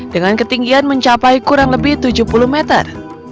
dengan ketinggian mencapai kurang lebih tujuh puluh meter